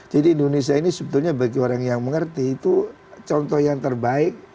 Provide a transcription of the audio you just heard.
jadi indonesia ini sebetulnya bagi orang yang mengerti itu contoh yang terbaik